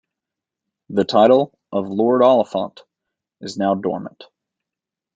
The title of Lord Oliphant is now dormant.